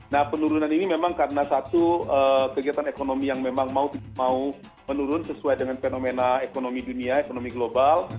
nah penurunan ini memang karena satu kegiatan ekonomi yang memang mau menurun sesuai dengan fenomena ekonomi dunia ekonomi global